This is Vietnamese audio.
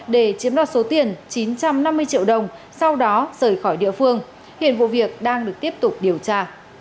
để chiếm đoạt số tiền chín trăm năm mươi triệu đồng sau đó rời khỏi địa phương hiện vụ việc đang được tiếp tục điều tra